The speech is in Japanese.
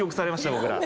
僕ら。